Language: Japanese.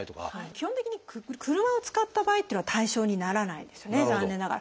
基本的に車を使った場合っていうのは対象にならないですよね残念ながら。